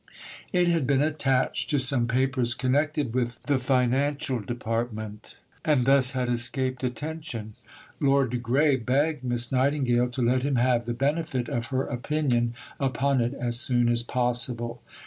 It had been attached to some papers connected with the Financial Department and thus had escaped attention. Lord de Grey begged Miss Nightingale to let him have the benefit of her opinion upon it as soon as possible."